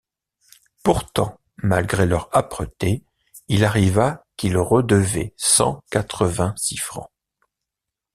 Pourtant, malgré leur âpreté, il arriva qu’ils redevaient cent quatre vingt-six francs.